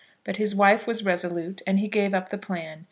But his wife was resolute, and he gave up the plan.